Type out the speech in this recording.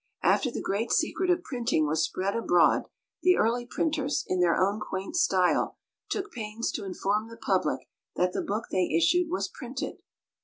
After the great secret of printing was spread abroad, the early printers, in their own quaint style, took pains to inform the public that the book they issued was printed.